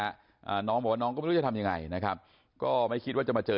อ่าน้องบอกว่าน้องก็ไม่รู้จะทำยังไงนะครับก็ไม่คิดว่าจะมาเจอ